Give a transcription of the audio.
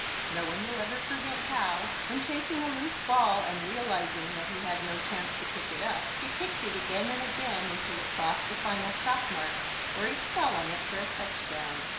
No one will ever forget how, when chasing a loose ball and realizing that he had no chance to pick it up, he kicked it again and again until it crossed the final chalk mark where he fell on it for a touchdown.